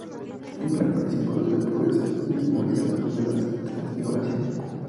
El blanco es símbolo de la pureza y simboliza la luz de la Transfiguración.